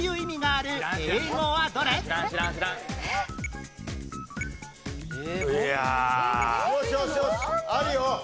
あるよ！